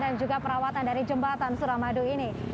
dan juga perawatan dari jembatan